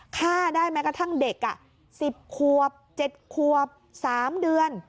ฆ่าได้แม้กระทั่งเด็ก๑๐ขวบ๗ขวบ๓เดือน